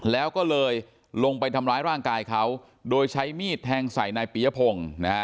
แล้วก็เลยลงไปทำร้ายร่างกายเขาโดยใช้มีดแทงใส่นายปียพงศ์นะฮะ